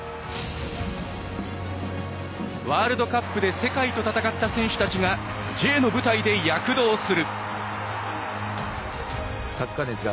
ワールドカップで世界と戦った選手たちがＪの舞台で躍動する。